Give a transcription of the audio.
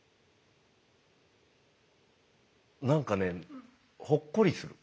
何かねほっこりする。